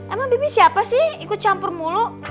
emang baby siapa sih ikut campur mulu